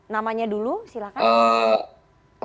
namanya dulu silakan